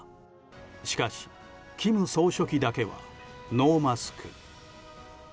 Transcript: しかし、金総書記だけはノーマスク。